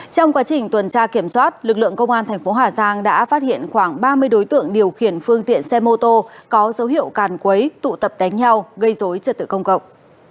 trong quá trình tuần tra kiểm soát lực lượng công an thành phố hà giang đã phát hiện khoảng ba mươi đối tượng điều khiển phương tiện xe mô tô có dấu hiệu càn quấy tụ tập đánh nhau gây dối trật tự công cộng